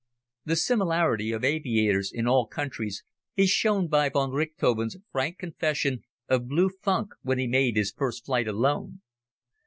The similarity of aviators in all countries is shown by von Richthofen's frank confession of blue funk when he made his first flight alone.